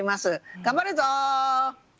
頑張るぞ！